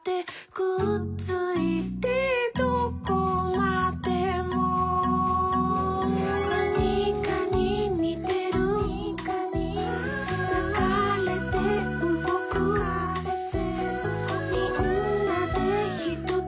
「くっついてどこまでも」「なにかににてる」「ながれてうごく」「みんなでひとつ」